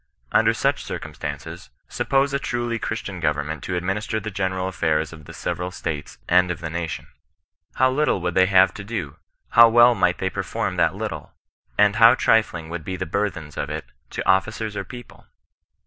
Under such cir cumstances, suppose a traly Christian govemment to admhnsteT the general a&urs of the several states aad of the nation. How little would they hare to do, how CHRISTIAN NON RESISTANOK. 171 well might they perform that little, and how trifling would he the hurthens of it either to officers or people